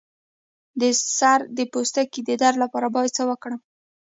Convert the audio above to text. د سر د پوستکي د درد لپاره باید څه وکړم؟